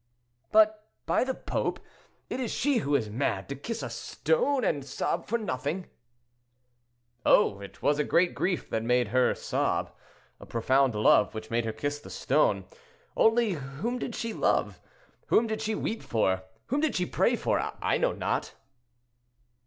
"But, by the pope, it is she who is mad, to kiss a stone and sob for nothing." "Oh! it was a great grief that made her sob, a profound love which made her kiss the stone. Only whom did she love? whom did she weep for? whom did she pray for? I know not."